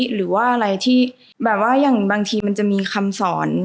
หรือว่าอะไรที่บางทีมันจะมีคำสอน